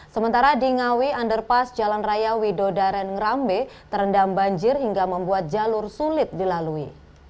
sementara di ngawi underpass jalan raya widodaren ngerambe terendam banjir hingga membuat jalur sulit dilalui